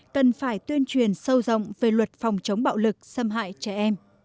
cần phải tuyên truyền sâu rộng về luật phòng chống bạo lực xâm hại trẻ em